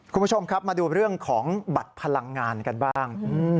คุณผู้ชมครับมาดูเรื่องของบัตรพลังงานกันบ้าง